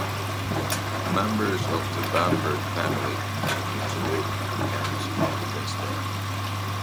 Members of the Bamberg family continue to live in the county to this day.